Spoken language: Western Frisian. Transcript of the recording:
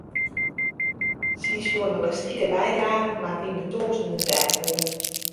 Syn sjoernalistike bydragen moat yn de tûzenen teld wurde.